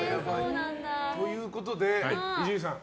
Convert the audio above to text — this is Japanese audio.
ということで、伊集院さん